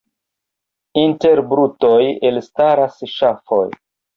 Inter brutoj elstaras ŝafoj.